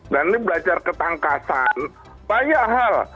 dan ini belajar ketangkasan banyak hal